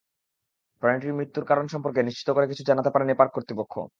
প্রাণীটির মৃত্যুর কারণ সম্পর্কে নিশ্চিত করে কিছু জানাতে পারেনি পার্ক কর্তৃপক্ষ।